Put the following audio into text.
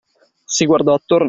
Si guardò attorno.